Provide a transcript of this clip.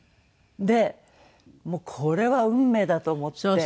でもうこれは運命だと思って。